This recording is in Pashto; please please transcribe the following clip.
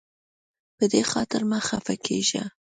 په دې خاطر مه خفه کیږه.